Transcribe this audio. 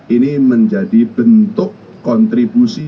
ini menjadi bentuk kontribusi